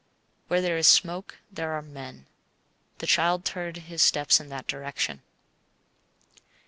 Where there is smoke there are men. The child turned his steps in that direction.